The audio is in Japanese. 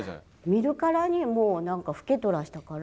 見るからにもう老けとらしたから。